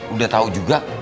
udah tau juga